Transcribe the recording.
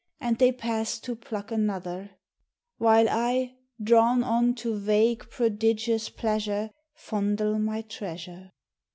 And they pass to pluck another ; ^►While I, drawn on to vague, prodigious pleasure, Fondle my treasure.